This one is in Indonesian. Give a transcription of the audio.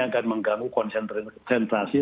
akan mengganggu konsentrasi